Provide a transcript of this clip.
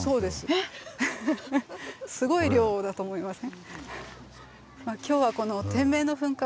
えっ⁉すごい量だと思いません？